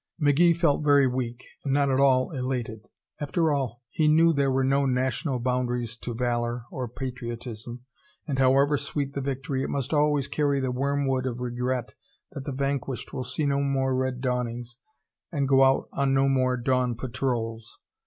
McGee felt very weak, and not at all elated. After all, he knew there were no national boundaries to valor or patriotism, and however sweet the victory it must always carry the wormwood of regret that the vanquished will see no more red dawnings and go out on no more dawn patrols.